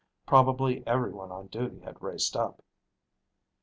Probably everyone on duty had raced up.